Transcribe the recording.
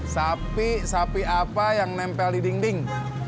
sapi sapi apa yang nempel di dinding